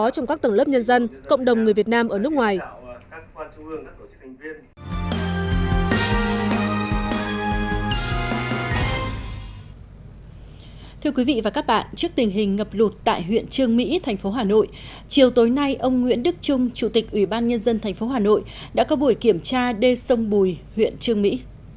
trước tình hình ngập lụt tại huyện trương mỹ thành phố hà nội chiều tối nay ông nguyễn đức trung chủ tịch ủy ban nhân dân thành phố hà nội đã có buổi kiểm tra đê sông bùi huyện trương mỹ